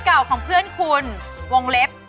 ควั้งวัง